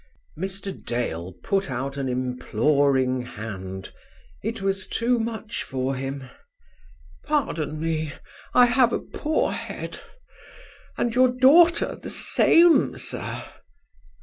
Mr. Dale put out an imploring hand; it was too much for him. "Pardon me; I have a poor head. And your daughter the same, sir?"